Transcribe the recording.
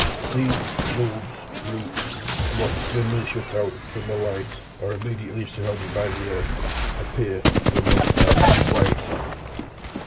Seeds, bulbs, roots, and what is generally shut out from the light, or immediately surrounded by the earth, appear, for the most part, white.